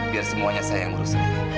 biar semuanya saya yang ngurusin